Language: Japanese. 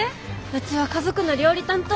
うちは家族の料理担当。